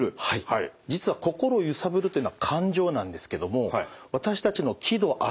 実は心をゆさぶるというのは感情なんですけども私たちの喜怒哀